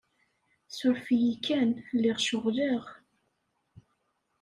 Suref-iyi kan, lliɣ ceɣleɣ.